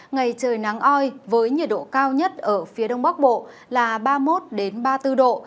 ngày trời nắng oi với nhiệt độ cao nhất ở phía đông bắc bộ là ba mươi một ba mươi bốn độ